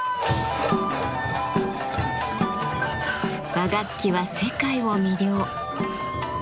和楽器は世界を魅了。